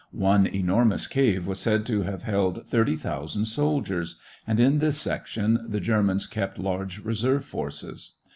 One enormous cave was said to have held thirty thousand soldiers, and in this section the Germans kept large reserve forces.